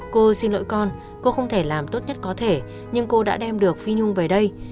cô xin lỗi con cô không thể làm tốt nhất có thể nhưng cô đã đem được phi nhung về đây